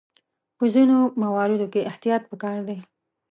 په ځینو مواردو کې احتیاط پکار دی.